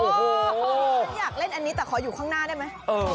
ฉันอยากเล่นอันนี้แต่ขออยู่ข้างหน้าได้ไหม